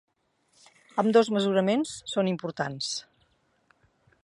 Ambdós mesuraments són importants.